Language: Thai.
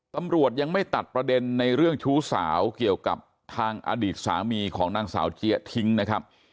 ตำรวจยังไม่ตัดประเด็นในเรื่องชู้สาวเกี่ยวกับทางอดีตสามีของนางสาวเจี๊ยทิ้งนะครับ